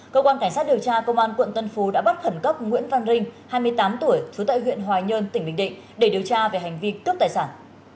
cơ quan cảnh sát điều tra công an quận tân phú đã bắt khẩn cấp nguyễn văn rinh hai mươi tám tuổi trú tại huyện hoài nhơn tỉnh bình định để điều tra về hành vi cướp tài sản